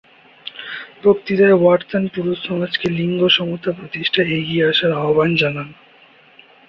বক্তৃতায় ওয়াটসন পুরুষ সমাজকে লিঙ্গ সমতা প্রতিষ্ঠায় এগিয়ে আসার আহ্বান জানান।